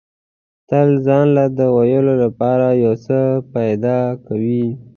تل ځان له د ویلو لپاره یو څه پیدا کوي.